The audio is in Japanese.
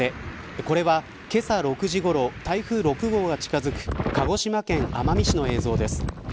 これは、けさ６時ごろ台風６号が近づく鹿児島県奄美市の映像です。